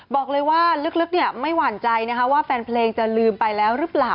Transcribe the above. บอกเลยว่าลึกไม่หวั่นใจนะคะว่าแฟนเพลงจะลืมไปแล้วหรือเปล่า